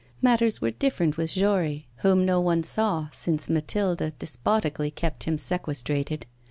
Matters were different with Jory, whom no one saw, since Mathilde despotically kept him sequestrated.